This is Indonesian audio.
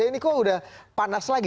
ini kok udah panas lagi